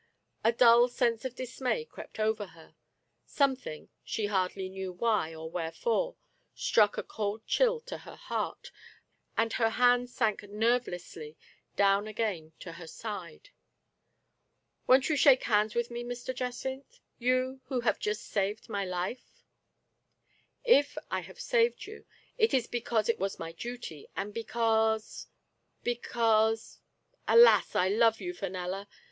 A dull sense of dismay crept over her ; some thing — she hardly knew why or wherefore — struck a cold chill to her heart, and her hands sank nerve lessly down again to her side. " Won't you shake hands with me, Mr. Jacynth? — you, who have just saved my life?" " If I have saved you, it is because it was my duty, and because — because — alas, I love you, Fenella